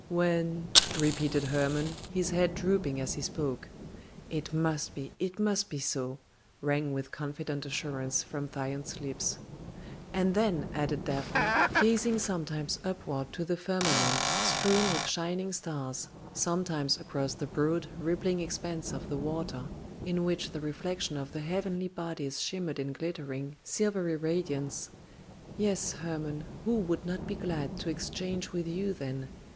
"When " repeated Hermon, his head drooping as he spoke. "It must, it must be so!" rang with confident assurance from Thyone's lips. "And then," added Daphne, gazing sometimes upward to the firmament strewn with shining stars, sometimes across the broad, rippling expanse of the water, in which the reflection of the heavenly bodies shimmered in glittering, silvery radiance, "yes, Hermon, who would not be glad to exchange with you then?